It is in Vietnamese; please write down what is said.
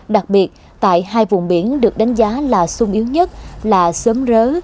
đặc biệt tại hai vùng biển được đánh giá là sung yếu nhất là sớm rỡ